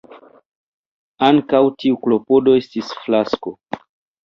Ankaŭ tiu klopodo estis fiasko.